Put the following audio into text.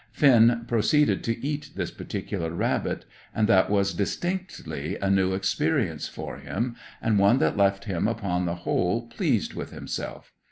Finn proceeded to eat this particular rabbit, and that was distinctly a new experience for him, and one that left him upon the whole pleased with himself.